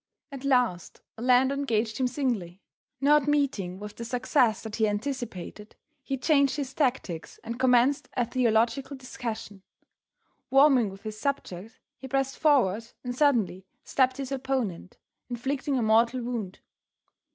At last Orlando engaged him singly; not meeting with the success that he anticipated, he changed his tactics and commenced a theological discussion; warming with his subject he pressed forward and suddenly stabbed his opponent, inflicting a mortal wound.